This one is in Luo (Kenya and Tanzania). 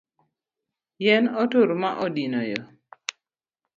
Yien otur ma odino yoo